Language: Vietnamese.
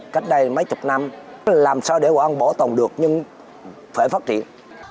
cách đây mấy chục năm làm sao để hội an bổ tồn được nhưng phải phát triển